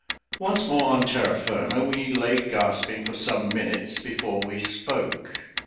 Once more on terra firma, we lay gasping for some minutes before we spoke.